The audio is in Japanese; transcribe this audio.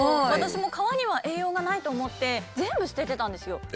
私も皮には栄養がないと思って全部捨ててたんですよ。